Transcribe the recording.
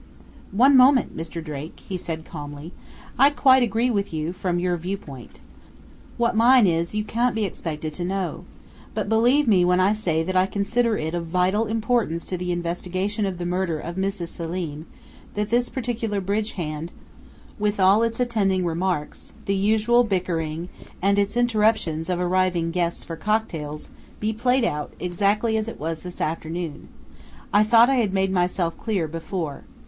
"One moment, Mr. Drake," he said calmly. "I quite agree with you from your viewpoint. What mine is, you can't be expected to know. But believe me when I say that I consider it of vital importance to the investigation of the murder of Mrs. Selim that this particular bridge hand, with all its attending remarks, the usual bickering, and its interruptions of arriving guests for cocktails, be played out, exactly as it was this afternoon. I thought I had made myself clear before.